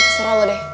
sera lo deh